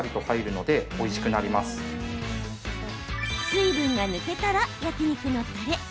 水分が抜けたら、焼き肉のたれ。